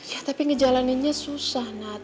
ya tapi ngejalaninnya susah nak